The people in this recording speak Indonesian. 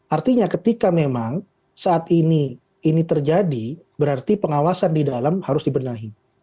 artinya ketika memang saat ini terjadi berarti pengawasan di dalam harus dibenahi